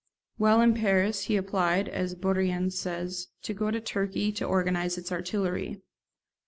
While in Paris he applied, as Bourrienne says, to go to Turkey to organise its artillery.